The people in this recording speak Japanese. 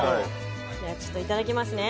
いただきますね。